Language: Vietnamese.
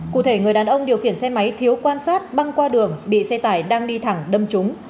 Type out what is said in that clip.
cụ thể người đàn ông điều khiển xe máy thiếu quan sát băng qua đường bị xe tải đang đi thẳng đâm trúng